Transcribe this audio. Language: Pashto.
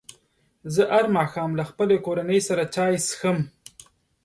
زه هر ماښام له خپلې کورنۍ سره چای څښم.